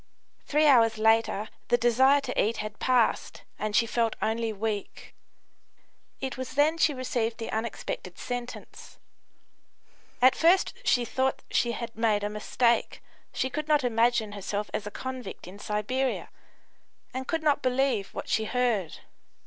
Three hours later the desire to eat had passed, and she felt only weak. It was then she received the unexpected sentence. At first she thought she had made a mistake; she could not imagine herself as a convict in Siberia, and could not believe what she heard.